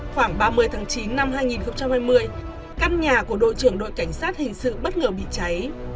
khoảng ba mươi tháng chín năm hai nghìn hai mươi căn nhà của đội trưởng đội cảnh sát hình sự bất ngờ bị cháy